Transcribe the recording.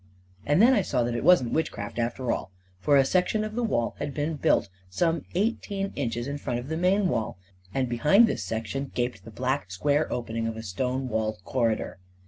. And then I saw that it wasn't witchcraft at all; for a section of the wall had been built some eigh teen inches in front of the main wall, and behind this section gaped the black, square opening of a stone walled corridor.